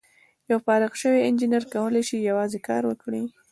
یو فارغ شوی انجینر کولای شي یوازې کار وکړي.